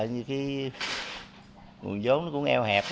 nguồn giống cũng eo hẹp